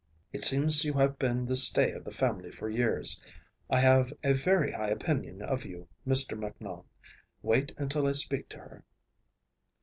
"It seems you have been the stay of the family for years. I have a very high opinion of you, Mr. Macnoun. Wait until I speak to her."